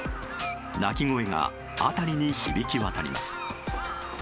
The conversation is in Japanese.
鳴き声が辺りに響き渡ります。